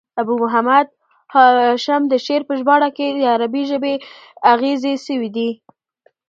ابو محمد هاشم د شعر په ژباړه کښي د عربي ژبي اغېزې سوي دي.